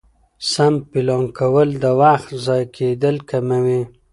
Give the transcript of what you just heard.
سم پلان کول د وخت ضایع کېدل کموي